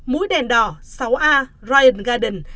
mũi đèn đỏ sáu a ryan garden